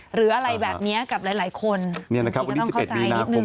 หรืออะไรแบบนี้กับหลายคนวันที่๑๑มีนาคม